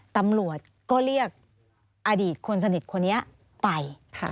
ตำรวจก็เรียกอดีตคนสนิทคนนี้ไป